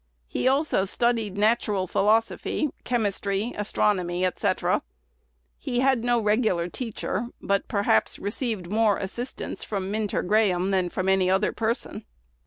"He also studied natural philosophy, chemistry, astronomy, &c. He had no regular teacher, but perhaps received more assistance from Minter Graham than from any other person."